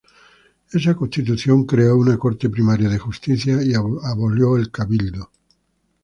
Esa constitución creó una "Corte Primera de Justicia" y abolió el Cabildo.